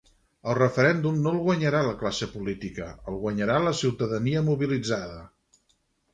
El referèndum no el guanyarà la classe política, el guanyarà la ciutadania mobilitzada.